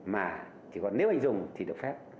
mà chỉ còn nếu anh dùng thì được phép